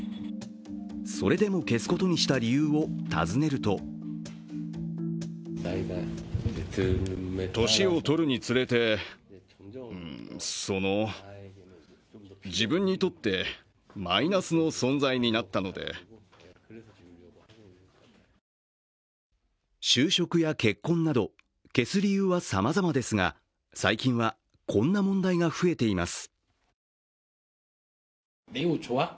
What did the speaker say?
それでも消すことにした理由を尋ねると就職や結婚など消す理由はさまざまですが最近はこんな問題が増えています。